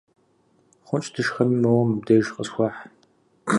Хъунщ дышхэми, моуэ мыбдеж къысхуэхь.